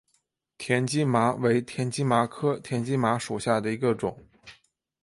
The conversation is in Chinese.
田基麻为田基麻科田基麻属下的一个种。